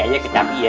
kecapi aja kecapi ya